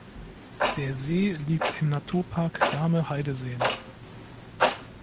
Der See liegt im Naturpark Dahme-Heideseen.